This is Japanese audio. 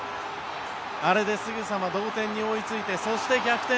あれですぐさま同点に追いついて、そして逆転。